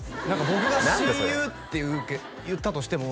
「僕が親友って言ったとしても」